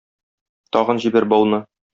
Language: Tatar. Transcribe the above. Тагын җибәр бауны.